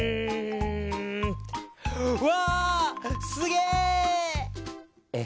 わすげえ！